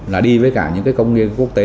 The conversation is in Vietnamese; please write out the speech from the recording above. là đi với cả những công nghiên quốc tế